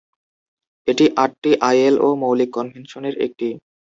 এটি আটটি আইএলও মৌলিক কনভেনশনের একটি।